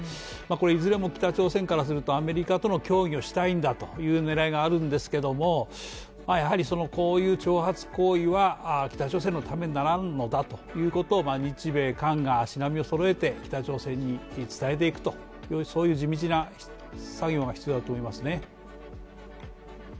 いずれも北朝鮮からするとアメリカとの協議をしたいんだという狙いがあるんですけども、やはりこういう挑発行為は北朝鮮のためにならんのだということを、日米韓が足並みをそろえて北朝鮮に伝えていくという地道な作業が必要だと思いますね。